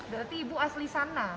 berarti ibu asli sana